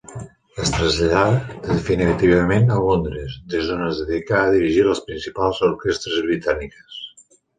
Es traslladà definitivament a Londres, des d'on es dedicà a dirigir les principals orquestres britàniques.